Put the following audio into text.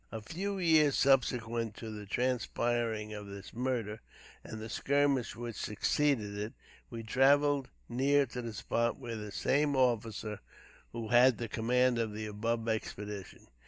A few years subsequent to the transpiring of this murder and the skirmish which succeeded it, we traveled near to the spot under the same officer who had the command of the above expedition.